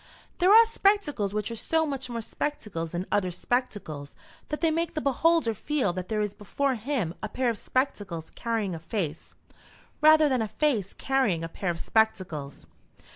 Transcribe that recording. There are spectacles which are so much more spectacles than other spectacles that they make the beholder feel that there is before him a pair of spectacles carrying a face, rather than a face carrying a pair of spectacles.